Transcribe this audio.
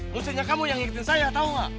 mesti kamu yang ngikutin saya tau gak